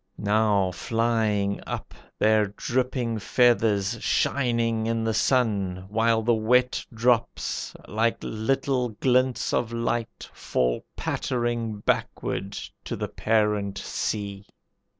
Now flying up, Their dripping feathers shining in the sun, While the wet drops like little glints of light, Fall pattering backward to the parent sea.